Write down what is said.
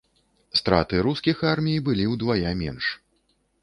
Страты рускіх армій былі ўдвая менш.